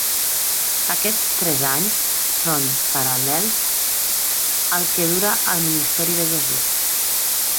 Aquests tres anys són paral·lels al que dura el Ministeri de Jesús.